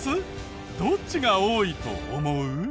どっちが多いと思う？